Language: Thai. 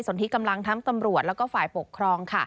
สนทิกำลังทำกำรวจและฝ่ายปกครอง